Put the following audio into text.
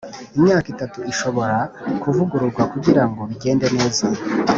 imyaka itatu ishobora kuvugururwa kugira ngo bigende neza